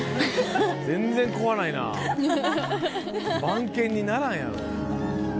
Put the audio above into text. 全然怖ないな番犬にならんやろ。